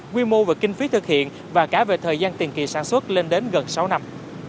quy mô về kinh phí thực hiện và cả về thời gian tiền kỳ sản xuất lên đến gần sáu năm